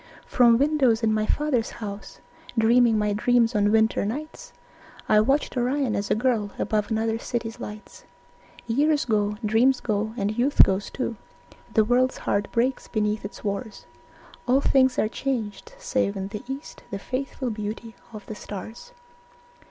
From windows in my father's house, Dreaming my dreams on winter nights, I watched Orion as a girl Above another city's lights. Years go, dreams go, and youth goes too, The world's heart breaks beneath its wars, All things are changed, save in the east The faithful beauty of the stars.